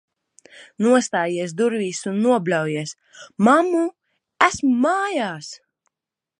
Nostājies durvīs un nobļaujies: "Mammu, esmu mājās!"